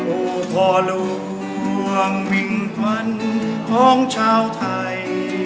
โอ้พ่อล่วงมิ่งควันของชาวไทย